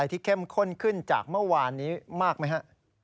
ที่เข้มข้นขึ้นจากเมื่อวานนี้มากไหมฮะ